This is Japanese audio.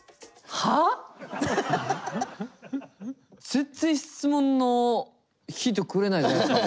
全然質問のヒントくれないじゃないっすか